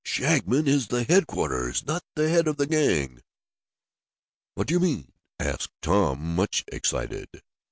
Shagmon is the headquarters, not the head of the gang!" "What do you mean?" asked Tom, much excited.